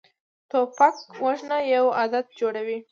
توپک وژنه یو عادت جوړوي.